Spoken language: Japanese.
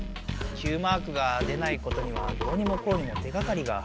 Ｑマークが出ないことにはどうにもこうにも手がかりが。